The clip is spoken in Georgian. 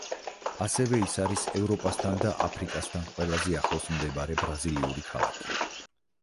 ასევე ის არის ევროპასთან და აფრიკასთან ყველაზე ახლოს მდებარე ბრაზილიური ქალაქი.